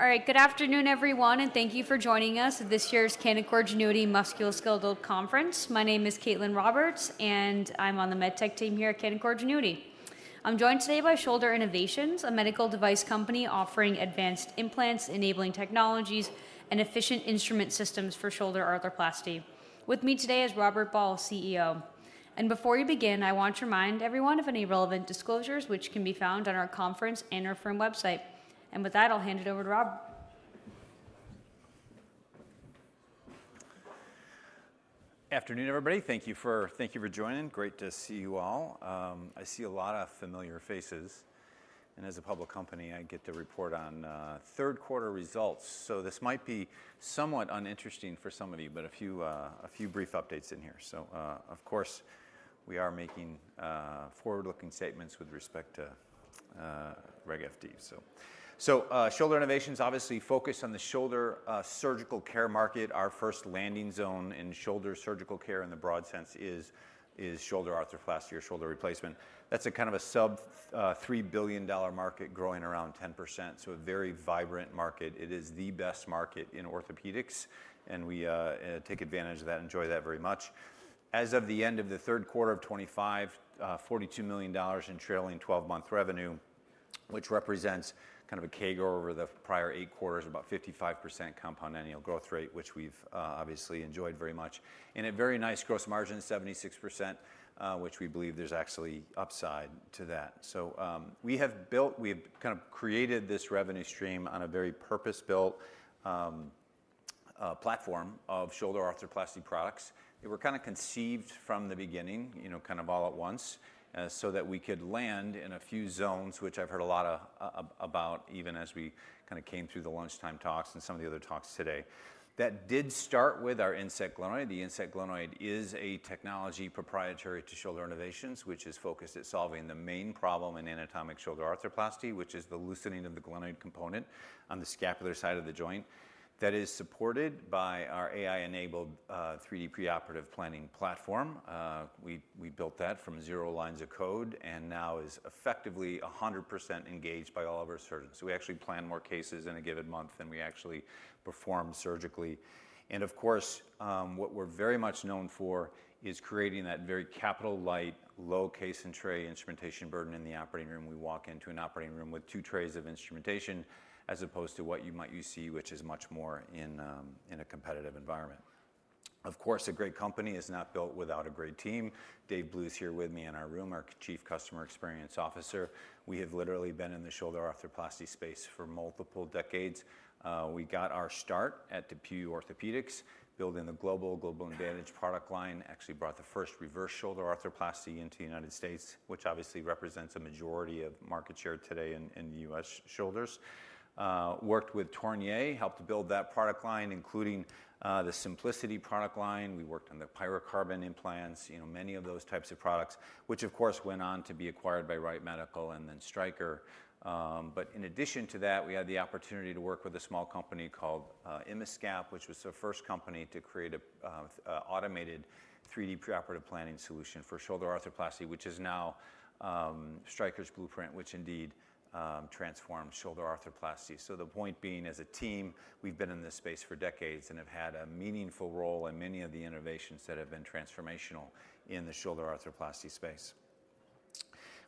All right. Good afternoon, everyone, and thank you for joining us at this year's Canaccord Genuity Musculoskeletal Conference. My name is Caitlin Roberts, and I'm on the Med Tech Team here at Canaccord Genuity. I'm joined today by Shoulder Innovations, a medical device company offering advanced implants, enabling technologies, and efficient instrument systems for shoulder arthroplasty. With me today is Robert Ball, CEO. Before we begin, I want to remind everyone of any relevant disclosures which can be found on our conference and our firm website. With that, I'll hand it over to Rob. Afternoon, everybody. Thank you for joining. Great to see you all. I see a lot of familiar faces. As a public company, I get to report on third quarter results. This might be somewhat uninteresting for some of you, but a few brief updates in here. Of course, we are making forward-looking statements with respect to Reg FD. Shoulder Innovations obviously focus on the shoulder surgical care market. Our first landing zone in shoulder surgical care in the broad sense is shoulder arthroplasty or shoulder replacement. That's a kind of a sub $3 billion market growing around 10%, a very vibrant market. It is the best market in orthopedics. We take advantage of that, enjoy that very much. As of the end of the third quarter of 2025, $42 million in trailing twelve-month revenue, which represents kind of a CAGR over the prior eight quarters, about 55% compound annual growth rate, which we've obviously enjoyed very much. A very nice gross margin, 76%, which we believe there's actually upside to that. We've kind of created this revenue stream on a very purpose-built platform of shoulder arthroplasty products. They were kinda conceived from the beginning, you know, kind of all at once, so that we could land in a few zones, which I've heard a lot about even as we kinda came through the lunchtime talks and some of the other talks today. That did start with our InSet glenoid. The InSet glenoid is a technology proprietary to Shoulder Innovations, which is focused at solving the main problem in anatomic shoulder arthroplasty, which is the loosening of the glenoid component on the scapular side of the joint. That is supported by our AI-enabled 3D preoperative planning platform. We built that from zero lines of code and now is effectively 100% engaged by all of our surgeons. We actually plan more cases in a given month than we actually perform surgically. Of course, what we're very much known for is creating that very capital-light, low case and tray instrumentation burden in the operating room. We walk into an operating room with two trays of instrumentation as opposed to what you might usually see, which is much more in a competitive environment. Of course, a great company is not built without a great team. Dave Blue here with me in our room, our Chief Customer Experience Officer. We have literally been in the shoulder arthroplasty space for multiple decades. We got our start at DePuy Orthopaedics, building the Global Advantage product line, actually brought the first reverse shoulder arthroplasty into United States, which obviously represents a majority of market share today in the U.S. shoulders. Worked with Tornier, helped build that product line, including the Simplicity product line. We worked on the pyrocarbon implants, you know, many of those types of products, which of course, went on to be acquired by Wright Medical and then Stryker. In addition to that, we had the opportunity to work with a small company called Imascap, which was the first company to create a automated 3D preoperative planning solution for shoulder arthroplasty, which is now Stryker's Blueprint, which indeed transformed shoulder arthroplasty. The point being, as a team, we've been in this space for decades and have had a meaningful role in many of the innovations that have been transformational in the shoulder arthroplasty space.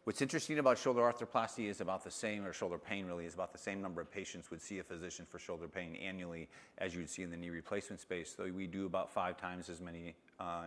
What's interesting about shoulder arthroplasty is about the same, or shoulder pain really, is about the same number of patients would see a physician for shoulder pain annually as you would see in the knee replacement space. We do about 5x as many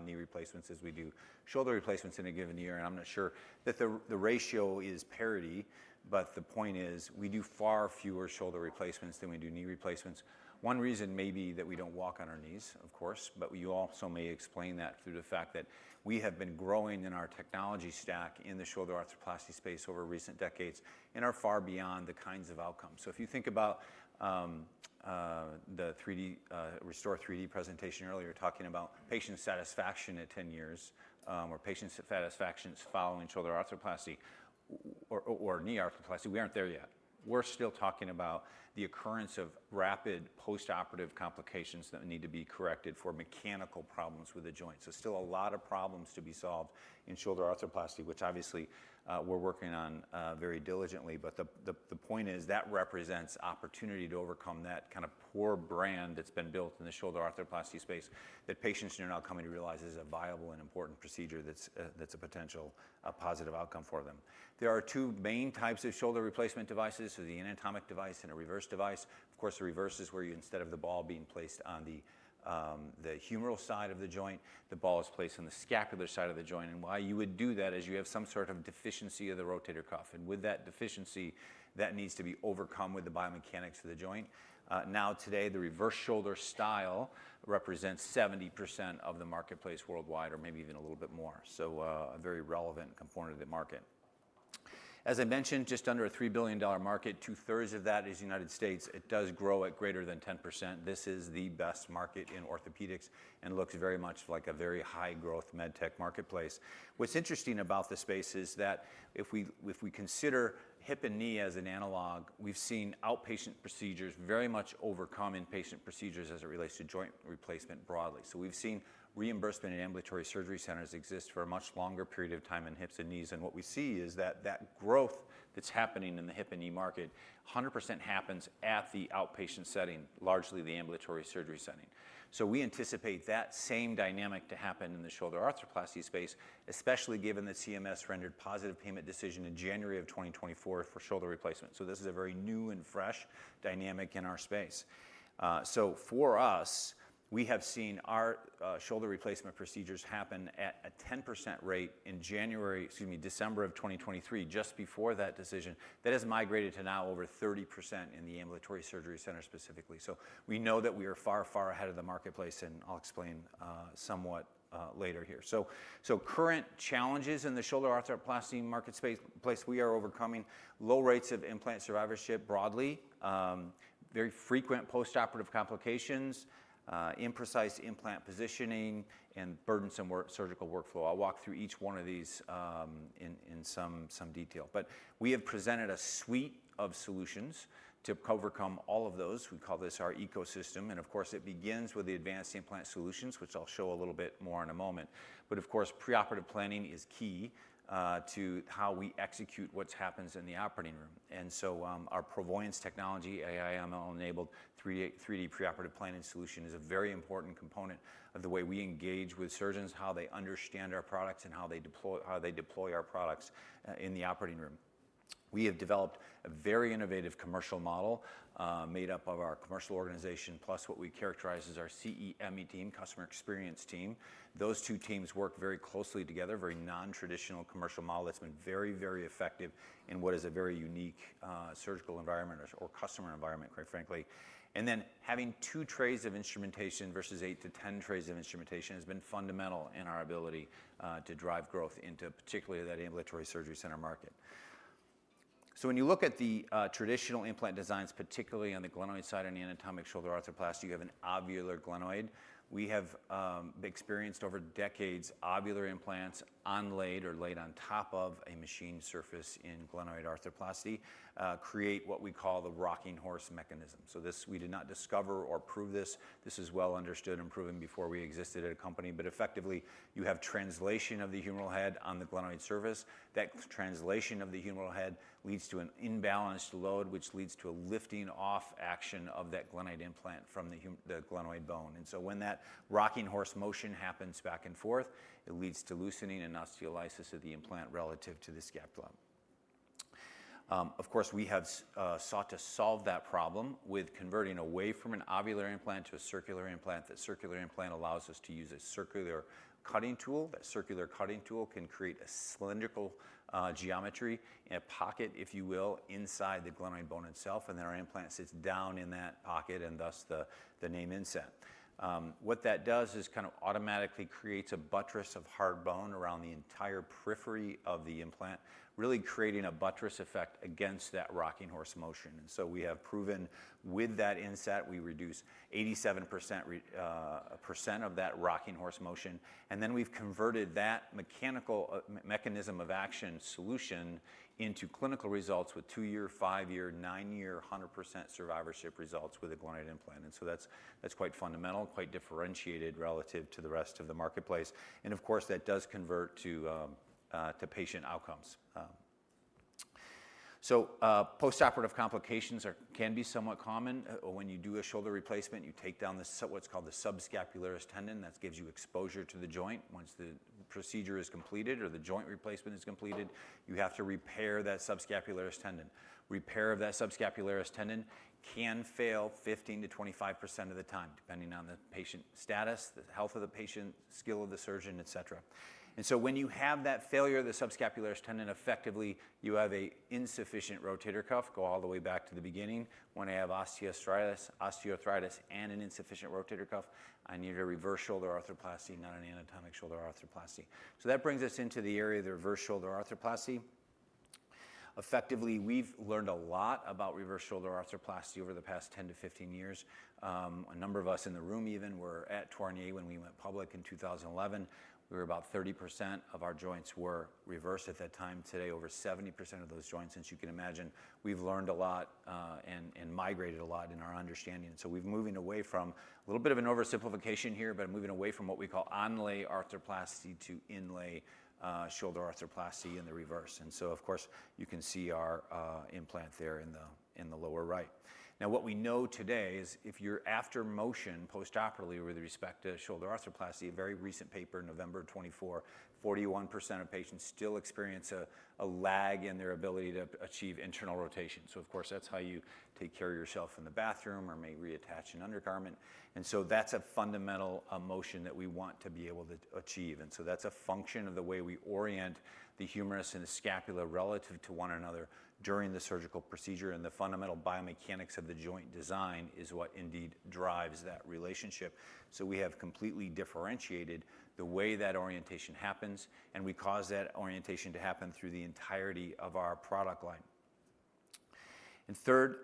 knee replacements as we do shoulder replacements in a given year, and I'm not sure that the ratio is parity, but the point is, we do far fewer shoulder replacements than we do knee replacements. One reason may be that we don't walk on our knees, of course, but you also may explain that through the fact that we have been growing in our technology stack in the shoulder arthroplasty space over recent decades and are far beyond the kinds of outcomes. If you think about the 3D restor3D presentation earlier, talking about patient satisfaction at 10 years, or patient satisfactions following shoulder arthroplasty or knee arthroplasty, we aren't there yet. We're still talking about the occurrence of rapid postoperative complications that need to be corrected for mechanical problems with the joint. Still a lot of problems to be solved in shoulder arthroplasty, which obviously, we're working on, very diligently. The point is, that represents opportunity to overcome that kind of poor brand that's been built in the shoulder arthroplasty space, that patients are now coming to realize is a viable and important procedure that's a potential, positive outcome for them. There are two main types of shoulder replacement devices, so the anatomic device and a reverse device. Of course, the reverse is where you, instead of the ball being placed on the humeral side of the joint, the ball is placed on the scapular side of the joint. Why you would do that is you have some sort of deficiency of the rotator cuff, and with that deficiency, that needs to be overcome with the biomechanics of the joint. Now today, the reverse shoulder style represents 70% of the marketplace worldwide or maybe even a little bit more. A very relevant component of the market. As I mentioned, just under a $3 billion market, two-thirds of that is United States. It does grow at greater than 10%. This is the best market in orthopedics and looks very much like a very high-growth med tech marketplace. What's interesting about this space is that if we consider hip and knee as an analog, we've seen outpatient procedures very much overcome inpatient procedures as it relates to joint replacement broadly. We've seen reimbursement in Ambulatory Surgery Centers exist for a much longer period of time in hips and knees, and what we see is that that growth that's happening in the hip and knee market, 100% happens at the outpatient setting, largely the ambulatory surgery setting. We anticipate that same dynamic to happen in the shoulder arthroplasty space, especially given that CMS rendered positive payment decision in January of 2024 for shoulder replacement. This is a very new and fresh dynamic in our space. For us, we have seen our shoulder replacement procedures happen at a 10% rate in December of 2023, just before that decision, that has migrated to now over 30% in the Ambulatory Surgery Center specifically. We know that we are far, far ahead of the marketplace, and I'll explain somewhat later here. Current challenges in the shoulder arthroplasty marketplace, we are overcoming low rates of implant survivorship broadly, very frequent postoperative complications, imprecise implant positioning, and burdensome surgical workflow. I'll walk through each one of these in some detail. We have presented a suite of solutions to overcome all of those. We call this our ecosystem, and of course, it begins with the advanced implant solutions, which I'll show a little bit more in a moment. Of course, preoperative planning is key to how we execute what happens in the operating room. Our ProVoyance technology, AI-ML-enabled 3D preoperative planning solution, is a very important component of the way we engage with surgeons, how they understand our products, and how they deploy our products in the operating room. We have developed a very innovative commercial model, made up of our commercial organization, plus what we characterize as our CEME team, customer experience team. Those two teams work very closely together, very non-traditional commercial model that's been very, very effective in what is a very unique surgical environment or customer environment, quite frankly. Having two trays of instrumentation versus 8-10 trays of instrumentation has been fundamental in our ability to drive growth into particularly that Ambulatory Surgery Center market. When you look at the traditional implant designs, particularly on the glenoid side and the anatomic shoulder arthroplasty, you have an ovular glenoid. We have experienced over decades ovular implants onlay or laid on top of a machine surface in glenoid arthroplasty, create what we call the rocking horse mechanism. This, we did not discover or prove this. This is well understood and proven before we existed at a company. Effectively, you have translation of the humeral head on the glenoid surface. That translation of the humeral head leads to an imbalanced load, which leads to a lifting-off action of that glenoid implant from the glenoid bone. When that rocking horse motion happens back and forth, it leads to loosening and osteolysis of the implant relative to the scapula. Of course, we have sought to solve that problem with converting away from an ovular implant to a circular implant. That circular implant allows us to use a circular cutting tool. That circular cutting tool can create a cylindrical geometry in a pocket, if you will, inside the glenoid bone itself, and then our implant sits down in that pocket and thus the name Inset. What that does is kind of automatically creates a buttress of hard bone around the entire periphery of the implant, really creating a buttress effect against that rocking horse motion. We have proven with that Inset, we reduce 87% of that rocking horse motion, and then we've converted that mechanical mechanism of action solution into clinical results with two-year, five-year, nine-year, 100% survivorship results with a glenoid implant. That's quite fundamental, quite differentiated relative to the rest of the marketplace. Of course, that does convert to patient outcomes. Postoperative complications can be somewhat common. When you do a shoulder replacement, you take down what's called the subscapularis tendon. That gives you exposure to the joint. Once the procedure is completed or the joint replacement is completed, you have to repair that subscapularis tendon. Repair of that subscapularis tendon can fail 15%-25% of the time, depending on the patient status, the health of the patient, skill of the surgeon, et cetera. When you have that failure of the subscapularis tendon, effectively you have a insufficient rotator cuff. Go all the way back to the beginning when I have osteoarthritis and an insufficient rotator cuff, I need a reverse shoulder arthroplasty, not an anatomic shoulder arthroplasty. That brings us into the area of the reverse shoulder arthroplasty. Effectively, we've learned a lot about reverse shoulder arthroplasty over the past 10-15 years. A number of us in the room even were at Tornier when we went public in 2011. We were about 30% of our joints were reverse at that time. Today, over 70% of those joints, since you can imagine, we've learned a lot, and migrated a lot in our understanding. We've moving away from a little bit of an oversimplification here, but moving away from what we call onlay arthroplasty to inlay shoulder arthroplasty in the reverse. Of course, you can see our implant there in the lower right. Now, what we know today is if you're after motion postoperatively with respect to shoulder arthroplasty, a very recent paper, November of 2024, 41% of patients still experience a lag in their ability to achieve internal rotation. Of course, that's how you take care of yourself in the bathroom or may reattach an undergarment. That's a fundamental emotion that we want to be able to achieve. That's a function of the way we orient the humerus and the scapula relative to one another during the surgical procedure, and the fundamental biomechanics of the joint design is what indeed drives that relationship. We have completely differentiated the way that orientation happens, and we cause that orientation to happen through the entirety of our product line. Third,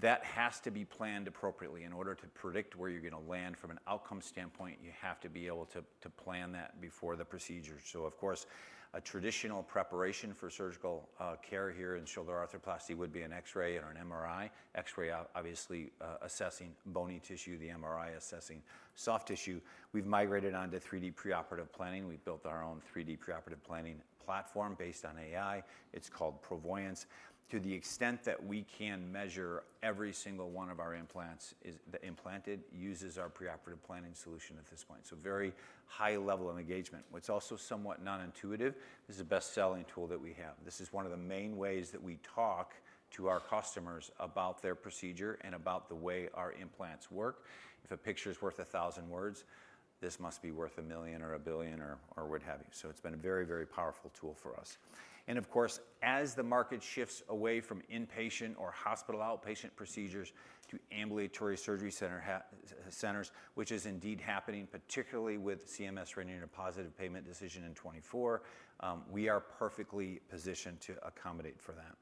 that has to be planned appropriately. In order to predict where you're gonna land from an outcome standpoint, you have to be able to plan that before the procedure. Of course, a traditional preparation for surgical care here in shoulder arthroplasty would be an X-ray or an MRI. X-ray obviously assessing bony tissue, the MRI assessing soft tissue. We've migrated onto 3D preoperative planning. We've built our own 3D preoperative planning platform based on AI. It's called ProVoyance. To the extent that we can measure every single one of our implants the implanted uses our preoperative planning solution at this point. Very high level of engagement. What's also somewhat non-intuitive, this is a best-selling tool that we have. This is one of the main ways that we talk to our customers about their procedure and about the way our implants work. If a picture's worth a 1,000 words, this must be worth a million or a billion or what have you. It's been a very, very powerful tool for us. Of course, as the market shifts away from inpatient or hospital outpatient procedures to Ambulatory Surgery Centers, which is indeed happening, particularly with CMS renewing a positive payment decision in 2024, we are perfectly positioned to accommodate for that.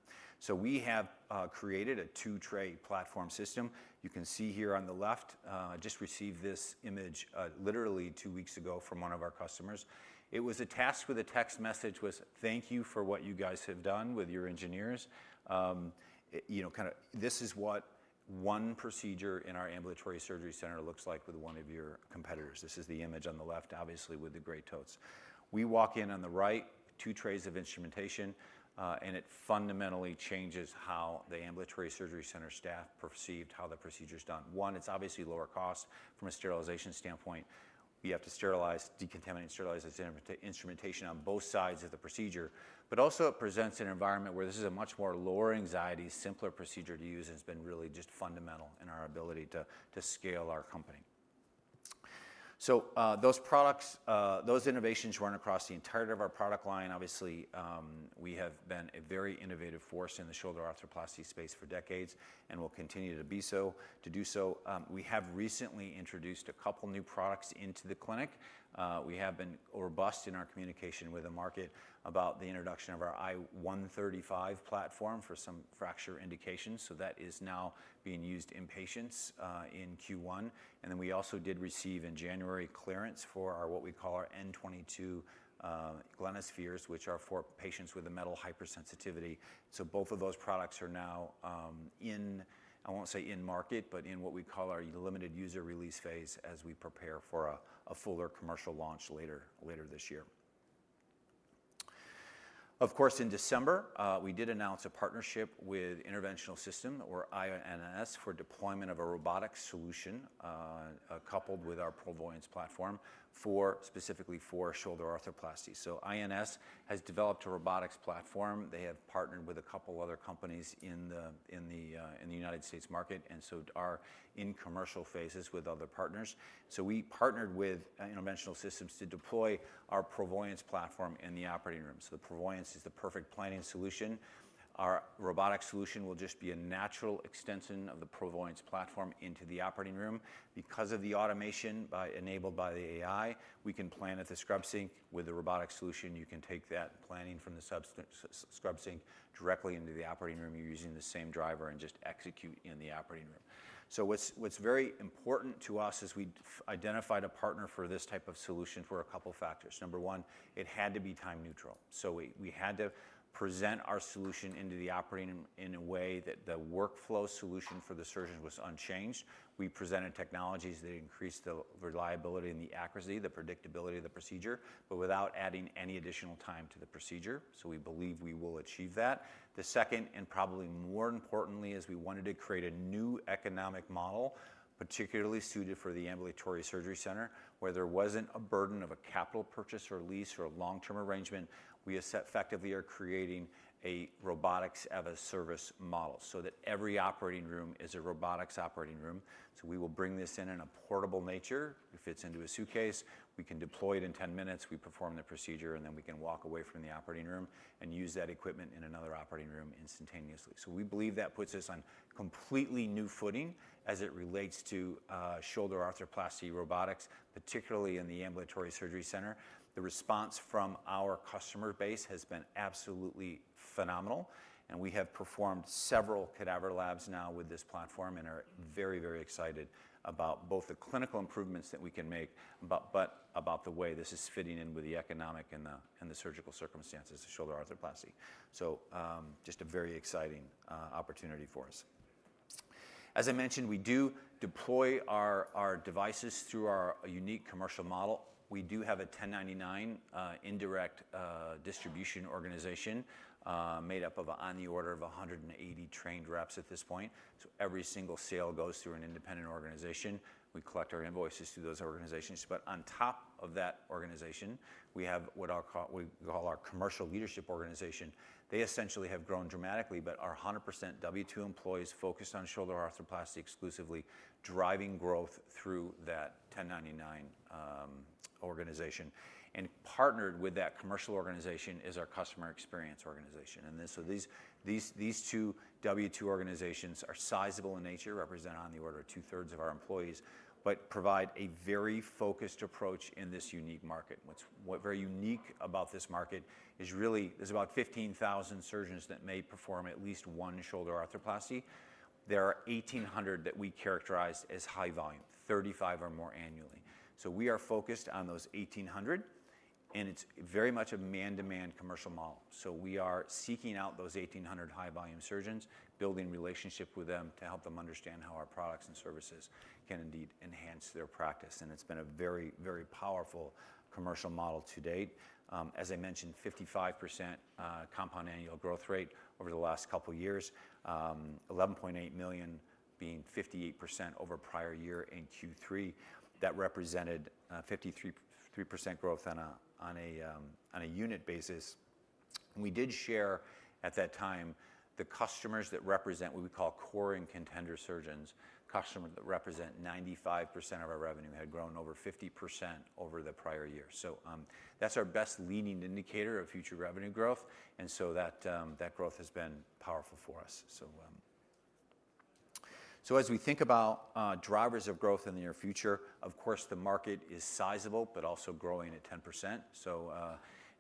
We have created a Two Tray platform system. You can see here on the left, just received this image literally two weeks ago from one of our customers. It was a task with a text message was, "Thank you for what you guys have done with your engineers." you know, kinda this is what one procedure in our Ambulatory Surgery Center looks like with one of your competitors. This is the image on the left, obviously, with the gray totes. We walk in on the right, two trays of instrumentation, it fundamentally changes how the Ambulatory Surgery Center staff perceived how the procedure's done. One, it's obviously lower cost from a sterilization standpoint. You have to decontaminate and sterilize this in-instrumentation on both sides of the procedure. Also it presents an environment where this is a much more lower anxiety, simpler procedure to use, and it's been really just fundamental in our ability to scale our company. those products, those innovations run across the entirety of our product line. Obviously, we have been a very innovative force in the shoulder arthroplasty space for decades and will continue to do so. We have recently introduced a couple new products into the clinic. We have been robust in our communication with the market about the introduction of our I-135 platform for some fracture indications. That is now being used in patients in Q1. We also did receive in January clearance for our, what we call our N22 Glenospheres, which are for patients with a metal hypersensitivity. Both of those products are now in, I won't say in market, but in what we call our limited user release phase as we prepare for a fuller commercial launch later this year. Of course, in December, we did announce a partnership with Interventional Systems or INS for deployment of a robotic solution, coupled with our ProVoyance platform for specifically for shoulder arthroplasty. INS has developed a robotics platform. They have partnered with a couple other companies in the United States market, and so are in commercial phases with other partners. We partnered with Interventional Systems to deploy our ProVoyance platform in the operating room. The ProVoyance is the perfect planning solution. Our robotic solution will just be a natural extension of the ProVoyance platform into the operating room. Because of the automation enabled by the AI, we can plan at the scrub sink. With the robotic solution, you can take that planning from the scrub sink directly into the operating room using the same driver and just execute in the operating room. What's very important to us as we identified a partner for this type of solution for a couple factors. Number one, it had to be time neutral. We had to present our solution into the operating room in a way that the workflow solution for the surgeon was unchanged. We presented technologies that increased the reliability and the accuracy, the predictability of the procedure, without adding any additional time to the procedure. We believe we will achieve that. The second, and probably more importantly, is we wanted to create a new economic model, particularly suited for the Ambulatory Surgery Center, where there wasn't a burden of a capital purchase or lease or a long-term arrangement. We effectively are creating a robotics-as-a-service model so that every operating room is a robotics operating room. We will bring this in in a portable nature. It fits into a suitcase. We can deploy it in 10 minutes. We perform the procedure, and then we can walk away from the operating room and use that equipment in another operating room instantaneously. We believe that puts us on completely new footing as it relates to shoulder arthroplasty robotics, particularly in the Ambulatory Surgery Center. The response from our customer base has been absolutely phenomenal, and we have performed several cadaver labs now with this platform and are very, very excited about both the clinical improvements that we can make, but about the way this is fitting in with the economic and the surgical circumstances of shoulder arthroplasty. Just a very exciting opportunity for us. As I mentioned, we do deploy our devices through our unique commercial model. We do have a 1099 indirect distribution organization made up of, on the order of 180 trained reps at this point. Every single sale goes through an independent organization. We collect our invoices through those organizations. On top of that organization, we have what we call our commercial leadership organization. They essentially have grown dramatically, but are 100% W-2 employees focused on shoulder arthroplasty exclusively, driving growth through that 1099 organization. Partnered with that commercial organization is our customer experience organization. These two W-2 organizations are sizable in nature, represent on the order of two-thirds of our employees, but provide a very focused approach in this unique market. What's very unique about this market is there's about 15,000 surgeons that may perform at least one shoulder arthroplasty. There are 1,800 that we characterize as high volume, 35 or more annually. We are focused on those 1,800, and it's very much a man-demand commercial model. We are seeking out those 1,800 high-volume surgeons, building relationship with them to help them understand how our products and services can indeed enhance their practice. It's been a very, very powerful commercial model to date. As I mentioned, 55% compound annual growth rate over the last couple years. $11.8 million being 58% over prior year in Q3 that represented 53.3% growth on a unit basis. We did share at that time the customers that represent what we call core and contender surgeons, customers that represent 95% of our revenue had grown over 50% over the prior year. That's our best leading indicator of future revenue growth, and so that growth has been powerful for us. As we think about drivers of growth in the near future, of course, the market is sizable but also growing at 10%.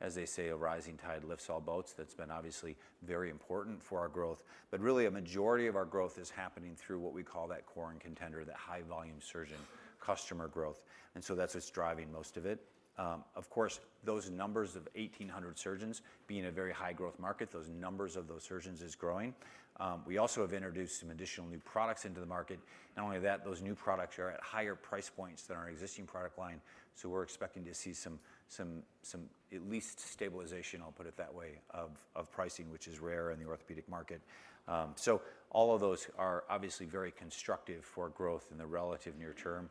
As they say, "A rising tide lifts all boats." That's been obviously very important for our growth. Really a majority of our growth is happening through what we call that core and contender, that high volume surgeon customer growth, and so that's what's driving most of it. Of course, those numbers of 1,800 surgeons being a very high growth market, those numbers of those surgeons is growing. We also have introduced some additional new products into the market. Not only that, those new products are at higher price points than our existing product line, so we're expecting to see some at least stabilization, I'll put it that way, of pricing, which is rare in the orthopedic market. All of those are obviously very constructive for growth in the relative near term.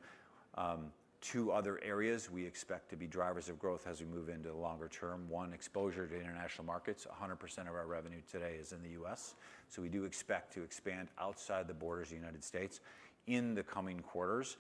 Two other areas we expect to be drivers of growth as we move into the longer term. One, exposure to international markets. 100% of our revenue today is in the U.S., so we do expect to expand outside the borders of the United States in the coming quarters,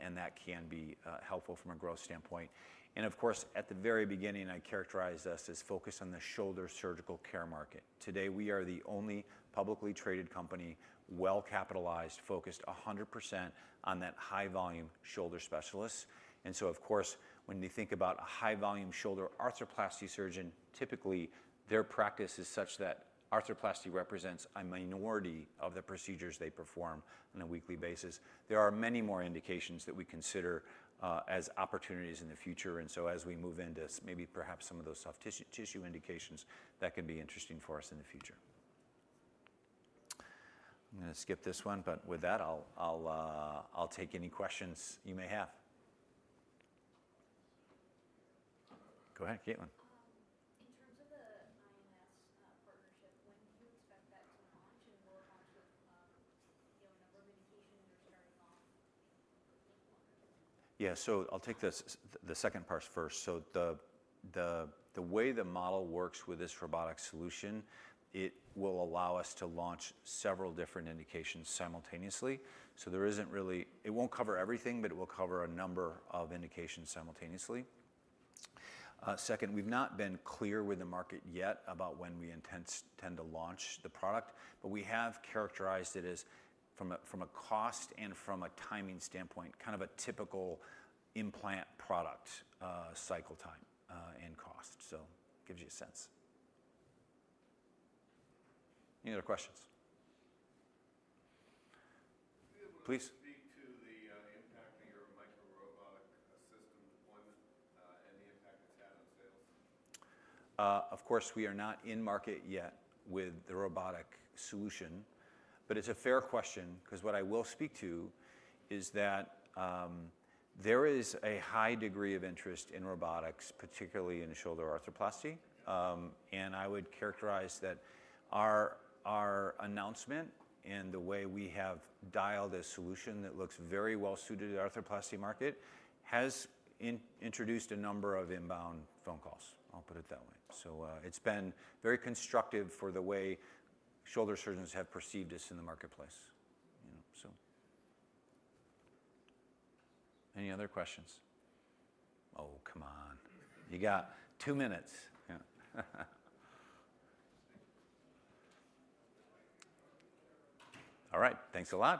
and that can be helpful from a growth standpoint. Of course, at the very beginning, I characterized us as focused on the shoulder surgical care market. Today, we are the only publicly traded company, well-capitalized, focused 100% on that high volume shoulder specialists. Of course, when you think about a high volume shoulder arthroplasty surgeon, typically, their practice is such that arthroplasty represents a minority of the procedures they perform on a weekly basis. There are many more indications that we consider as opportunities in the future. As we move into perhaps some of those soft tissue indications, that can be interesting for us in the future. I'm gonna skip this one, with that, I'll take any questions you may have. Go ahead, Caitlin. In terms of the INS partnership, when do you expect that to launch? What types of, you know, what indications are you starting off with? Yeah. I'll take the second part first. The way the model works with this robotic solution, it will allow us to launch several different indications simultaneously. There isn't really. It won't cover everything, but it will cover a number of indications simultaneously. Second, we've not been clear with the market yet about when we intend to launch the product, but we have characterized it as from a cost and from a timing standpoint, kind of a typical implant product, cycle time and cost. Gives you a sense. Any other questions? Please. Could you speak to the impact of your micro-robotic system deployment and the impact it's had on sales? Of course, we are not in market yet with the robotic solution, but it's a fair question 'cause what I will speak to is that there is a high degree of interest in robotics, particularly in shoulder arthroplasty. I would characterize that our announcement and the way we have dialed a solution that looks very well suited to the arthroplasty market has introduced a number of inbound phone calls. I'll put it that way. It's been very constructive for the way shoulder surgeons have perceived us in the marketplace. You know, Any other questions? Oh, come on. You got two minutes. All right. Thanks a lot.